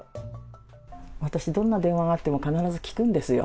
私、どんな電話があっても必ず聞くんですよ。